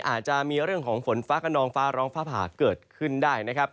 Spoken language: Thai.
อาจจะมีเรื่องของฝนฟ้ากระนองฟ้าร้องฟ้าผ่าเกิดขึ้นได้นะครับ